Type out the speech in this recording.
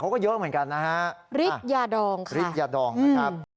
เค้าก็เยอะเหมือนกันนะ